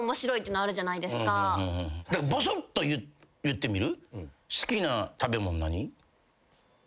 ぼそっと言ってみる？